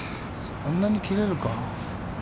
そんなに切れるか？